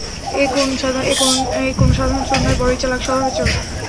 এ কোন সাধারণ চোর নয়, বড়ই চালাক স্বভাবের চোর।